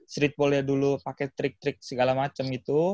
streetballnya dulu pake trik trik segala macem gitu